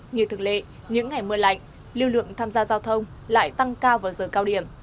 như thường lệ những ngày mưa lạnh lưu lượng tham gia giao thông lại tăng cao vào giờ cao điểm